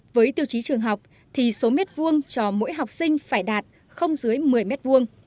với tiêu chí trường học thì số mét vuông cho mỗi học sinh phải đạt không dưới một mươi m vuông